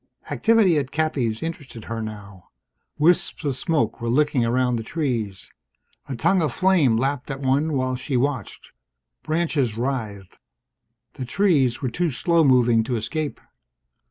Activity at Cappy's interested her now. Wisps of smoke were licking around the trees. A tongue of flame lapped at one while she watched. Branches writhed. The trees were too slow moving to escape